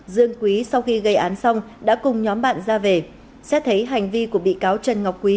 dương quý sau khi gây án xong đã cùng nhóm bạn ra về xét thấy hành vi của bị cáo trần ngọc quý